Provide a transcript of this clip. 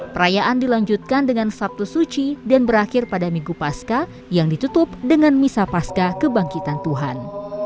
perayaan dilanjutkan dengan sabtu suci dan berakhir pada minggu pasca yang ditutup dengan misa pasca kebangkitan tuhan